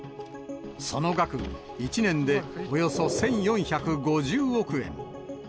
その額、１年でおよそ１４５０億円。